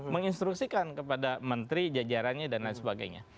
menginstruksikan kepada menteri jajarannya dan lain sebagainya